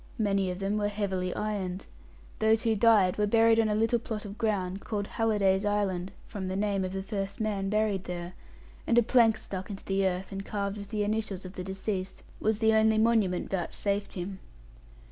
Many of them were heavily ironed. Those who died were buried on a little plot of ground, called Halliday's Island (from the name of the first man buried there), and a plank stuck into the earth, and carved with the initials of the deceased, was the only monument vouchsafed him.